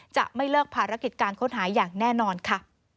จะไม่เลิกภารกิจการค้นหาอย่างแน่นอนค่ะ